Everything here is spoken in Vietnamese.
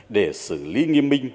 để xử lý nghiêm minh